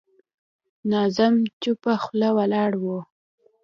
ناظم چوپه خوله ولاړ و.